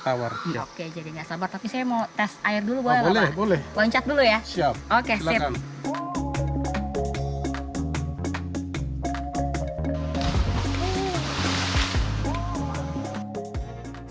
tawar oke jadi enggak sabar tapi saya mau tes air dulu boleh boleh loncat dulu ya siap oke silakan